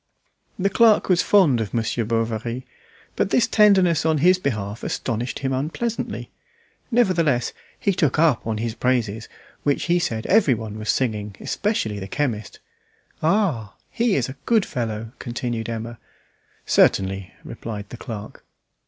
The clerk was fond of Monsieur Bovary. But this tenderness on his behalf astonished him unpleasantly; nevertheless he took up on his praises, which he said everyone was singing, especially the chemist. "Ah! he is a good fellow," continued Emma. "Certainly," replied the clerk.